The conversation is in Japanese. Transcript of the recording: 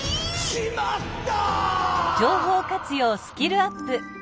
「しまった！」。